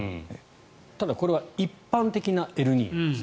ただ、これは一般的なエルニーニョです。